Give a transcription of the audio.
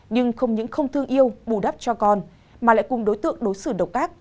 nhưng không những không thương yêu bù đắp cho con mà lại cùng đối tượng đối xử độc tác